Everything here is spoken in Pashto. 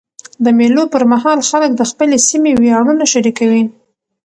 د مېلو پر مهال خلک د خپل سیمي ویاړونه شریکوي.